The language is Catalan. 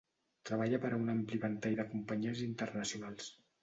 Treballa per a un ampli ventall de companyies internacionals.